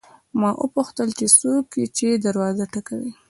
ما وپوښتل چې څوک یې چې دروازه ټکوي.